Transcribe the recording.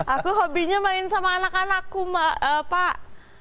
aku hobinya main sama anak anakku pak